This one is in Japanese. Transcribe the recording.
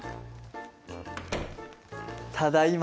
ただいま。